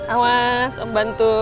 awas om bantu